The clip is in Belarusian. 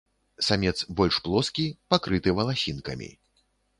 Самец больш плоскі, пакрыты валасінкамі.